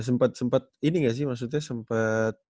sempet sempet ini gak sih maksudnya sempet